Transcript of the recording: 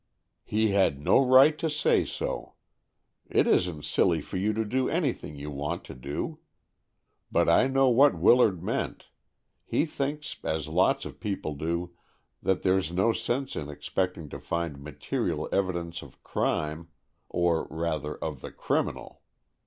"He had no right to say so. It isn't silly for you to do anything you want to do. But I know what Willard meant. He thinks, as lots of people do, that there's no sense in expecting to find material evidences of crime—or, rather, of the criminal.